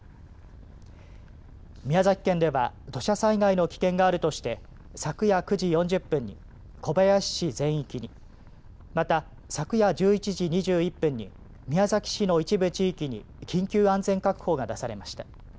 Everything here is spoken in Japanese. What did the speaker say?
宮崎県では土砂災害の危険があるとして昨夜９時４０分に小林市全域にまた昨夜１１時２１分に宮崎市の一部地域に緊急安全確保が出されました。